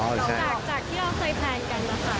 คนต่อไปเรื่อยไหมครับถามพี่ดีก่อนอีกไม่เคยถามพี่ดีเลย